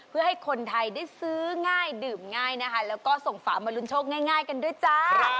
เพื่อให้คนไทยได้ซื้อง่ายดื่มง่ายนะคะแล้วก็ส่งฝามาลุ้นโชคง่ายกันด้วยจ้า